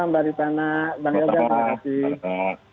mbak ritana bang yoga terima kasih